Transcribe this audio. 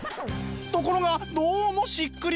ところがどうもしっくりこない。